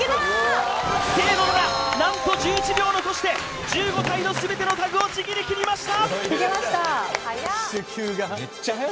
清野菜名何と１１秒を残して１５体の全てのタグをちぎり切りました！